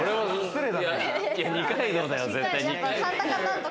二階堂だよ、絶対。